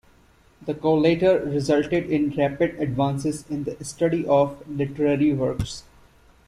The collator resulted in rapid advances in the study of literary works.